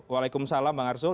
waalaikumsalam bang arsul